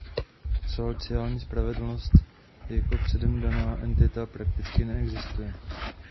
Sociální spravedlnost jako předem daná entita prakticky neexistuje.